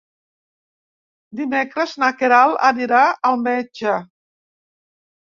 Dimecres na Queralt anirà al metge.